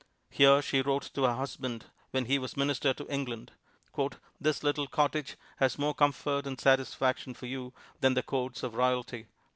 Here she wrote to her husband when he was minister to England, "This little cottage has more comfort and satisfaction for you than the courts of royalty."